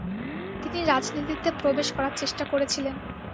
তিনি রাজনীতিতে প্রবেশ করার চেষ্টা করেছিলেন।